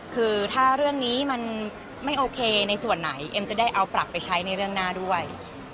คือถ้าเรื่องนี้มันไม่โอเคในส่วนไหนเอ็มจะได้เอาปรับไปใช้ในเรื่องหน้าด้วย